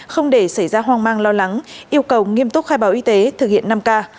không để xảy ra hoang mang lo lắng yêu cầu nghiêm túc khai báo y tế thực hiện năm k